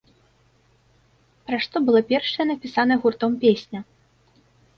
Пра што была першая напісаная гуртом песня?